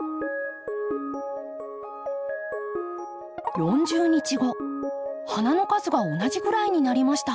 ４０日後花の数が同じぐらいになりました。